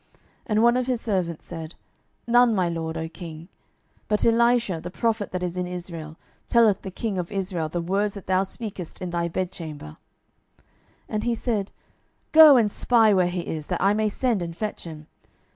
12:006:012 And one of his servants said, None, my lord, O king: but Elisha, the prophet that is in Israel, telleth the king of Israel the words that thou speakest in thy bedchamber. 12:006:013 And he said, Go and spy where he is, that I may send and fetch him.